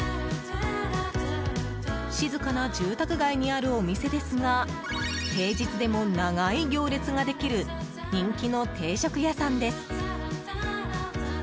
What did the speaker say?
静かな住宅街にあるお店ですが平日でも長い行列ができる人気の定食屋さんです。